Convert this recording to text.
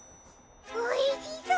おいしそう！